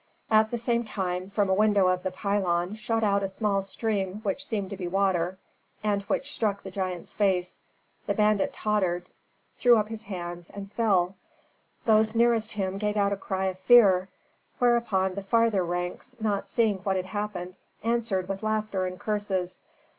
At the same time, from a window of the pylon shot out a small stream which seemed to be water, and which struck the giant's face. The bandit tottered, threw up his hands, and fell. Those nearest him gave out a cry of fear, whereupon the farther ranks, not seeing what had happened, answered with laughter and curses.